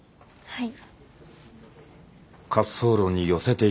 はい。